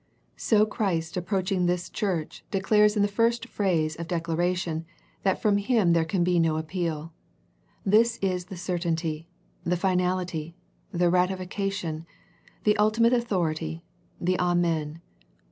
So Christ approaching this church de clares in the first phase of declaration that from Him there can be no appeal. He is the Certainty, the Finality, the Ratification, the ultimate Authority, the Amen.